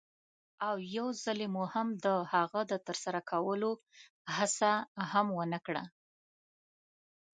او یوځلې مو هم د هغه د ترسره کولو هڅه هم ونه کړه.